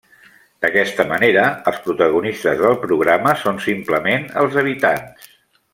D'aquesta manera, els protagonistes del programa són simplement els habitants.